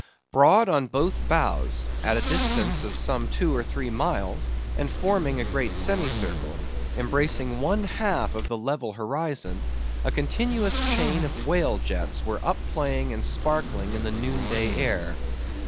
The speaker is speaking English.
Broad on both bows, at the distance of some two or three miles, and forming a great semicircle, embracing one half of the level horizon, a continuous chain of whale jets were up playing and sparkling in the noon day air.